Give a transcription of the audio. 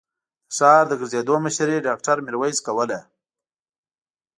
د ښار د ګرځېدو مشري ډاکټر ميرويس کوله.